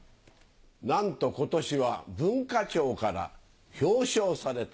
なんと今年は文化庁から表彰された。